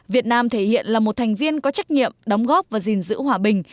việt nam thể hiện là một thành viên có trách nhiệm đóng góp và gìn giữ hòa bình